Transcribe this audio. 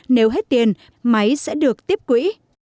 nếu hết tiền máy sẽ được tiếp quỹ